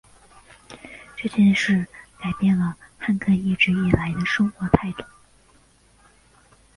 这件事改变了汉克一直以来的生活态度。